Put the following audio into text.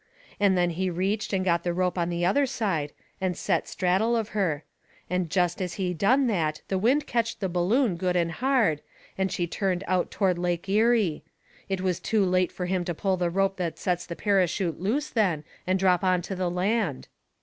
And then he reached and got the rope on the other side, and set straddle of her. And jest as he done that the wind ketched the balloon good and hard, and she turned out toward Lake Erie. It was too late fur him to pull the rope that sets the parachute loose then, and drop onto the land.